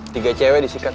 tiga cewek disikat sekaligus